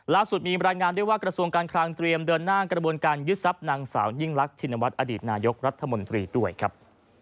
ล่าสุดมีรายงานด้วยว่ากระทรวงการคลังเตรียมเดินหน้ากระบวนการยึดทรัพย์นางสาวยิ่งรักชินวัฒน์อดีตนายกรัฐมนตรีด้วยครับ